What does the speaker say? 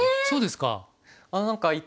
そうですか。